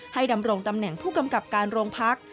ดำรงตำแหน่งผู้กำกับการโรงพัก